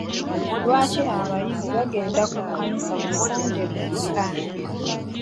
Lwaki abayizi bagende ku kkanisa ku Sande lwokka?